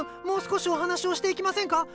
もう少しお話しをしていきませんか？